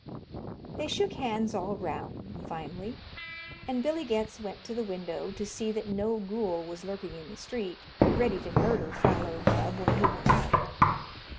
They shook hands all 'round, finally, and Billy Getz went to the window to see that no ghoul was lurking in the street, ready to murder Philo Gubb when he went out.